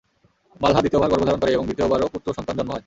বালহা দ্বিতীয়বার গর্ভ ধারণ করে এবং দ্বিতীয়বারও পুত্র সন্তান জন্ম হয়।